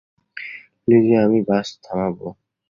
Lessee আমি bus থামাবো।